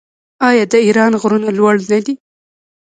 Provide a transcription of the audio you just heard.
آیا د ایران غرونه لوړ نه دي؟